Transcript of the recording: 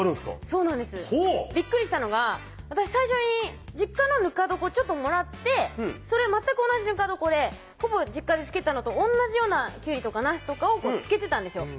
そうなんですびっくりしたのが私最初に実家のぬか床ちょっともらってそれ全く同じぬか床でほぼ実家で漬けたのと同じようなきゅうりとかなすとかを漬けてたんですよ